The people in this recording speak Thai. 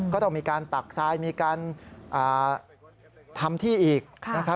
ก็ต้องมีการตักทรายมีการทำที่อีก